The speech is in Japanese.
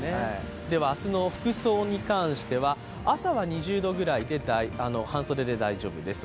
では明日の服装に関しては朝は２０度ぐらいで半袖で大丈夫です。